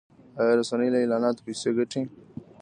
آیا رسنۍ له اعلاناتو پیسې ګټي؟